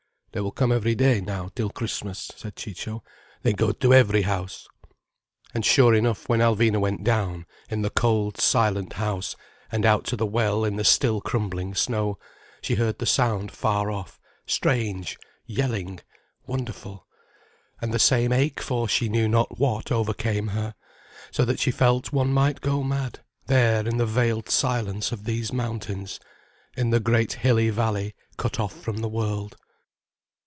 "They will come every day now, till Christmas," said Ciccio. "They go to every house." And sure enough, when Alvina went down, in the cold, silent house, and out to the well in the still crumbling snow, she heard the sound far off, strange, yelling, wonderful: and the same ache for she knew not what overcame her, so that she felt one might go mad, there in the veiled silence of these mountains, in the great hilly valley cut off from the world.